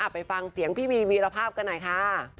ไปฟังเสียงพี่วีวีระภัพส์กันไหนค่ะ